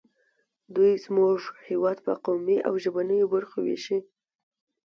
دوی زموږ هېواد په قومي او ژبنیو برخو ویشي